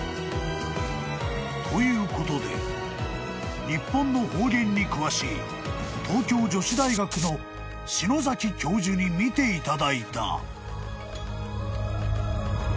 ［ということで日本の方言に詳しい東京女子大学の篠崎教授に見ていただいた］